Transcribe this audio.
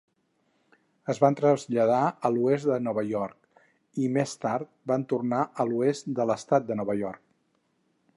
Es van traslladar a l'oest de Nova York, i més tard van tornar a l'oest de l'estat de Nova York.